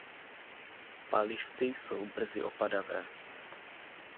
Palisty jsou brzy opadavé.